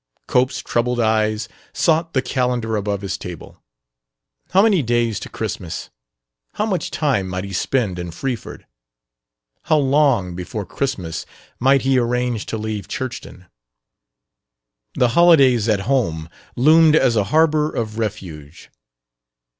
Cope's troubled eyes sought the calendar above his table. How many days to Christmas? How much time might he spend in Freeford? How long before Christmas might he arrange to leave Churchton? The holidays at home loomed as a harbor of refuge.